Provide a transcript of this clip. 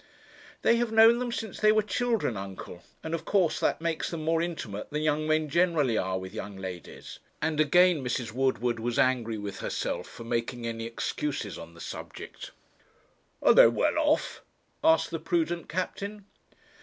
'They have known them since they were children, uncle; and of course that makes them more intimate than young men generally are with young ladies;' and again Mrs. Woodward was angry with herself for making any excuses on the subject. 'Are they well off?' asked the prudent captain.